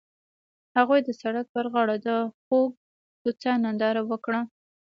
هغوی د سړک پر غاړه د خوږ کوڅه ننداره وکړه.